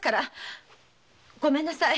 ごめんなさい。